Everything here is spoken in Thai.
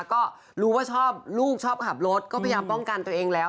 ก็รู้ว่าชอบลูกชอบขับรถก็พยายามป้องกันตัวเองแล้ว